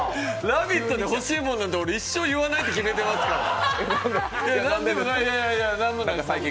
「ラヴィット！」って欲しいものは一生言わないって決めてますから。